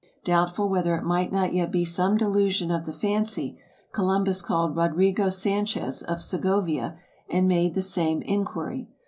Doubtful whether it might not yet be some delusion of the fancy, Columbus called Rodrigo Sanchez, of Segovia, and made the same inquiry.